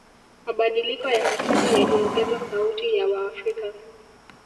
mabadiliko ya katiba yaliongeza sauti ya waafrika